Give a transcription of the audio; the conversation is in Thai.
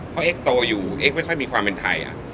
เพราะเอ็กโตอยู่เอ็กไม่ค่อยมีความเป็นไทย